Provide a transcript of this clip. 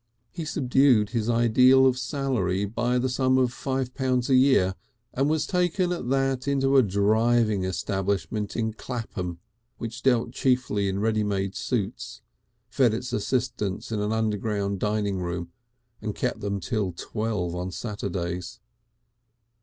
He subdued his ideal of salary by the sum of five pounds a year, and was taken at that into a driving establishment in Clapham, which dealt chiefly in ready made suits, fed its assistants in an underground dining room and kept them until twelve on Saturdays.